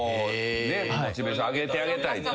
モチベーション上げてあげたい。